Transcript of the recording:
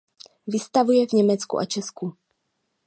Vystavuje v Německu a Česku.